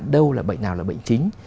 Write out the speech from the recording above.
đâu là bệnh nào là bệnh chính